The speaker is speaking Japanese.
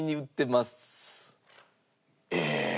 え？